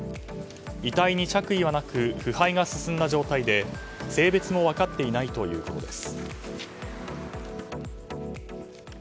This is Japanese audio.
遺体に着衣はなく腐敗が進んだ状態で性別も分かっていないということです。